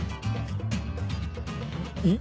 えっ？